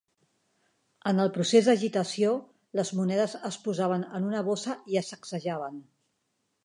En el procés d'agitació, les monedes es posaven en una bossa i es sacsejaven